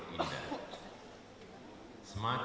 semakin menarik dan semakin indah